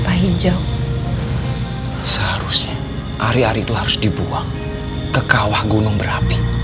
putra datuk umbara